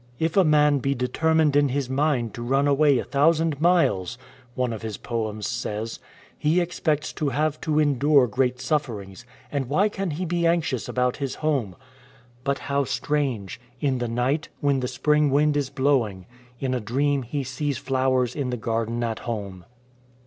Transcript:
" If a man be determined in his mind to run away a thousand miles," one of his poems says, " he expects to have to endure great sufferings, and why can he be anxious about his home ? But bow 51 A SCHOONER AND A STOWAWAY strange ! In the night, when the spring wind is blowing, in a dream he sees flowers in the garden at home.""